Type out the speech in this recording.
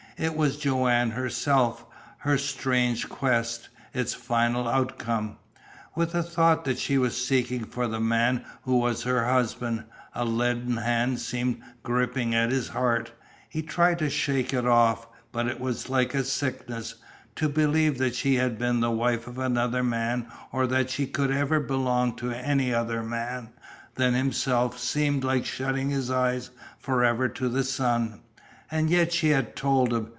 It was Joanne herself, her strange quest, its final outcome. With the thought that she was seeking for the man who was her husband, a leaden hand seemed gripping at his heart. He tried to shake it off, but it was like a sickness. To believe that she had been the wife of another man or that she could ever belong to any other man than himself seemed like shutting his eyes forever to the sun. And yet she had told him.